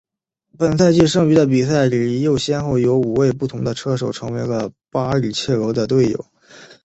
本赛季剩余的比赛里又先后有五位不同的车手成为了巴里切罗的队友。